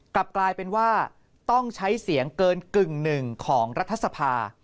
กลับกลายเป็นว่าต้องใช้เสียงเกินกึ่งหนึ่งของรัฐสภา